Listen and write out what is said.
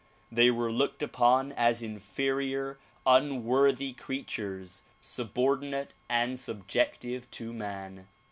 They were looked upon as inferior unworthy creatures subordinate and subjective to man.